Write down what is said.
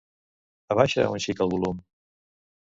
Abaixa un xic el volum.